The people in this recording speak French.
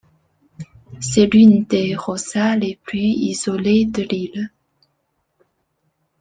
C'est l'une des roças les plus isolées de l'île.